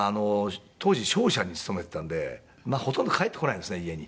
当時商社に勤めてたんでほとんど帰ってこないんですね家に。